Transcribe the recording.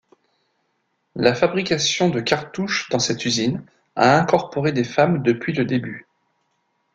La fabrication de cartouches dans cette usine a incorporé des femmes depuis le début.